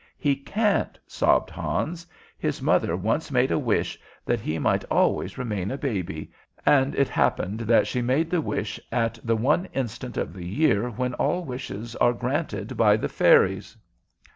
"He can't," sobbed Hans. "His mother once made a wish that he might always remain a baby, and it happened that she made the wish at the one instant of the year when all wishes are granted by the fairies."